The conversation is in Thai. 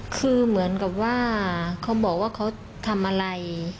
คือเหมือนกับว่าเขาบอกว่าเขาทำอะไร